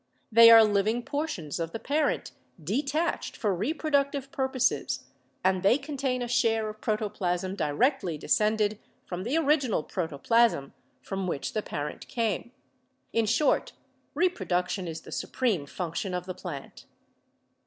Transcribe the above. They are living LIFE PROCESSES ri 9 portions of the parent detached for reproductive purposes and they contain a share of protoplasm directly descended from the original protoplasm from which the parent came. In short, reproduction is the supreme function of the plant.